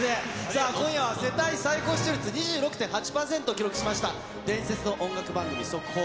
さあ今夜は世帯最高視聴率２６．８％を記録しました伝説の音楽番組、速報！